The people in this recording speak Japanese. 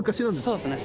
そうですね。